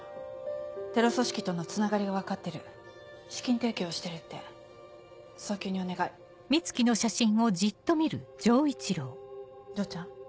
テロ組織とのつながりが分かってる資金提供をしてるって早急にお願い丈ちゃん？